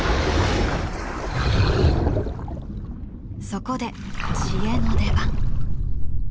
そこで知恵の出番。